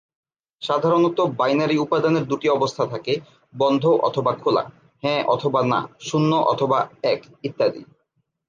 সাধারণত বাইনারি উপাদানের দুটি অবস্থা থাকে; বন্ধ অথবা খোলা, হ্যাঁ অথবা না, শুন্য অথবা এক ইত্যাদি।